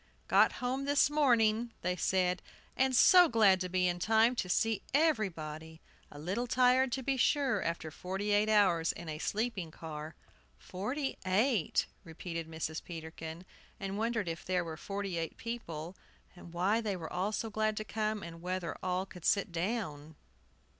"Got home this morning!" they said. "And so glad to be in time to see everybody, a little tired, to be sure, after forty eight hours in a sleeping car!" "Forty eight!" repeated Mrs. Peterkin; and wondered if there were forty eight people, and why they were all so glad to come, and whether all could sit down.